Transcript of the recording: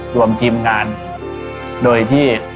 รวมทีมงานโดยที่